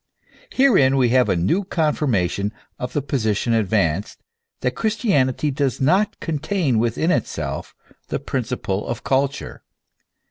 Herein we have a new con firmation of the position advanced, that Christianity does not contain within itself the principle of culture.